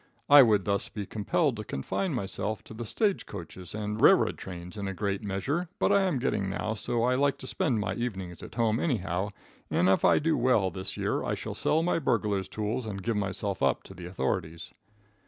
I would thus be compelled to confine myself to the stage coaches and railroad trains in a great measure, but I am getting now so I like to spend my evenings at home, anyhow, and if I do well this year, I shall sell my burglars' tools and give myself up to the authorities.